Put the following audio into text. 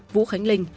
vũ khánh linh